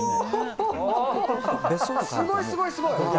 すごいすごいすごい。